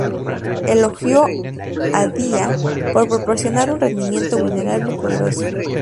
Elogió a Dya por proporcionar un rendimiento "vulnerable y poderoso".